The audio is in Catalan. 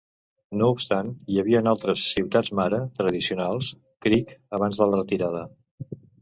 No obstant, hi havien altres "ciutats-mare" tradicionals Creek abans de la retirada.